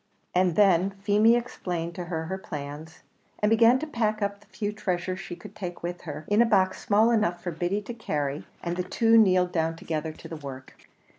And then Feemy explained to her her plans, and began to pack up the few treasures she could take with her, in a box small enough for Biddy to carry; and the two kneeled down together to the work.